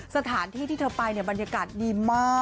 สถานที่ที่เธอไปเนี่ยบรรยากาศดีมาก